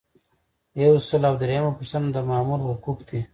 یو سل او دریمه پوښتنه د مامور حقوق دي.